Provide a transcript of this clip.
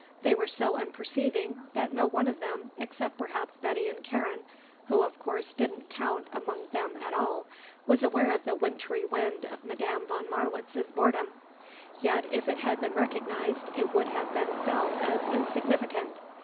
They were so unperceiving that no one of them, except perhaps Betty and Karen who of course didn't count among them at all was aware of the wintry wind of Madame von Marwitz's boredom; yet if it had been recognised it would have been felt as insignificant.